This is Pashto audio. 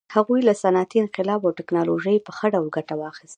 هغوی له صنعتي انقلاب او ټکنالوژۍ په ښه ډول ګټه واخیسته.